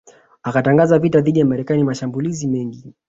akatangaza vita dhidi ya Marekani mashambulizi mengi